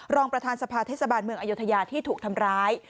รองประธานสภาเทศบาลเมืองอยุธยาที่ถูกทำร้าย